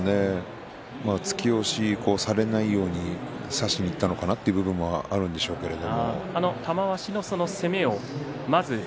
突き押しされないように差しにいったのかなという部分もあるんでしょうけど。